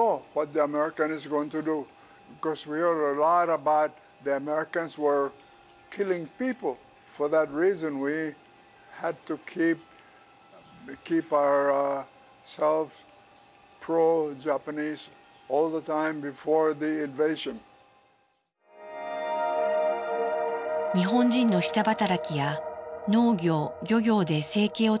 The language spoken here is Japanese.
日本人の下働きや農業・漁業で生計を立てていた先住民の人々。